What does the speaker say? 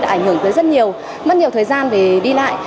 ảnh hưởng tới rất nhiều mất nhiều thời gian để đi lại